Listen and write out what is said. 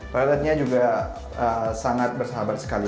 pilotnya juga sangat bersahabat sekali